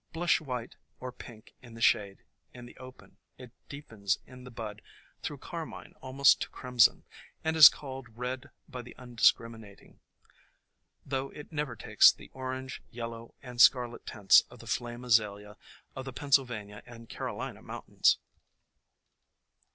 Blush white or pink in the shade, in the open THE COMING OF SPRING 27 it deepens in the bud through carmine almost to crimson, and is called red by the undiscriminating, though it never takes the orange, yellow and scar let tints of the Flame Azalea of the Pennsylvania and Carolina mountains.